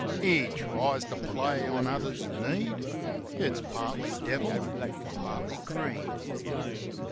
He tries to play on others need; It's partly devil, partly greed.